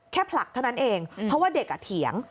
ผลักเท่านั้นเองเพราะว่าเด็กเถียง